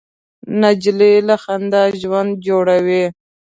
نجلۍ له خندا ژوند جوړوي.